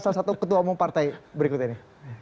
salah satu ketua umum partai berikut ini